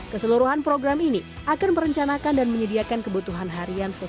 keseluruhan program ini akan merencanakan dan menyediakan kebutuhan harian sesuai